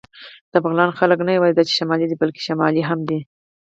د بغلان خلک نه یواځې دا چې شمالي دي، بلکې شمالي هم دي.